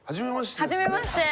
はじめまして。